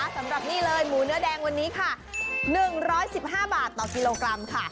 สำหรับนี่เลยหมูเนื้อแดงวันนี้ค่ะ๑๑๕บาทต่อกิโลกรัมค่ะ